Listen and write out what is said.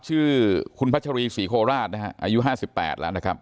ชื่อคุณพัชรีศรีโคราชนะฮะอายุ๕๘แล้วนะครับ